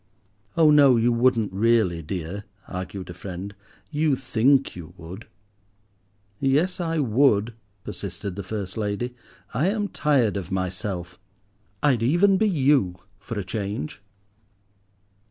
"Oh no, you wouldn't really, dear," argued a friend; "you think you would." "Yes, I would," persisted the first lady; "I am tired of myself. I'd even be you, for a change."